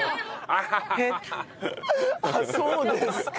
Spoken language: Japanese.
あっそうですか。